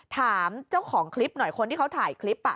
ถามเจ้าของคลิปหน่อยคนที่เขาถ่ายคลิป